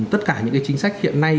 tất cả những cái chính sách hiện nay